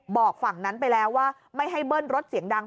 ฝั่งนั้นไปแล้วว่าไม่ให้เบิ้ลรถเสียงดัง